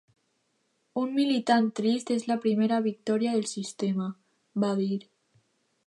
“Un militant trist és la primera victòria del sistema”, va dir.